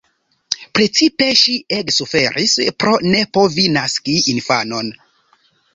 Precipe ŝi ege suferis pro ne povi naski infanon.